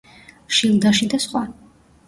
შილდაში და სხვა.